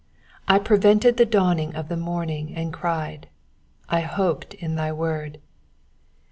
147 I prevented the dawning of the morning, and cried : I hoped in thy word.